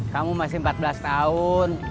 kamu masih empat belas tahun